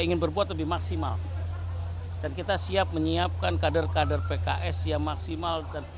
mungkin berkuat lebih maksimal dan kita siap menyiapkan kader kader vks yang maksimal tentu